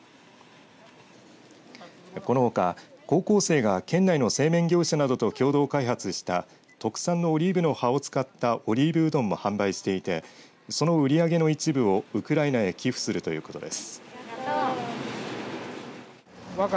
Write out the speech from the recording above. このほか高校生が県内の製麺業者などと共同開発した特産のオリーブの葉を使ったオリーブうどんも販売していてその売り上げの一部をウクライナへ寄付するということです。